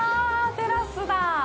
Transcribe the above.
テラスだ。